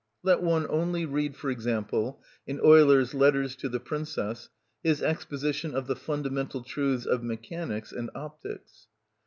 Let one only read, for example, in Euler's "Letters to the Princess," his exposition of the fundamental truths of mechanics and optics.